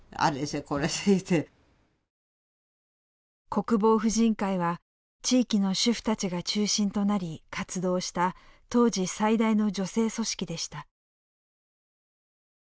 国防婦人会は地域の主婦たちが中心となり活動した当時最大の女性組織でした。